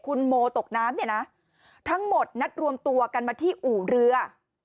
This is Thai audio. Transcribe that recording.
คุณโมตกน้ำเนี่ยนะทั้งหมดนัดรวมตัวกันมาที่อู่เรือ